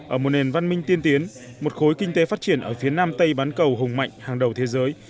ở một nền văn minh tiên tiến một khối kinh tế phát triển ở phía nam tây bán cầu hùng mạnh hàng đầu thế giới